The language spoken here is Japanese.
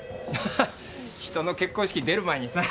ハハハ人の結婚式出る前にさ